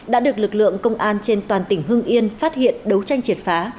đã được lực lượng công an trên toàn tỉnh hưng yên phát hiện đấu tranh triệt phá